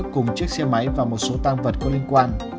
cùng chiếc xe máy và một số tăng vật có liên quan